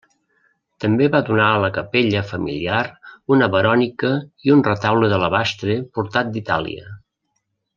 També va donar a la capella familiar una Verònica i un retaule d'alabastre portat d'Itàlia.